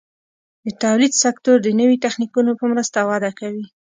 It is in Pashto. د تولید سکتور د نوي تخنیکونو په مرسته وده کوي.